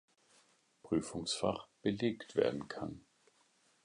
Prüfungsfach belegt werden kann.